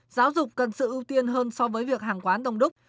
giáo dục cần sự ưu tiên hơn so với việc hàng quán đông đúc